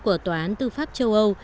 của tòa án tư pháp châu âu